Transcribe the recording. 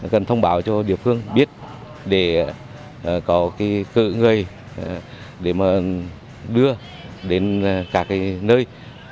cần thông báo cho địa phương biết để có cự người đưa đến các nơi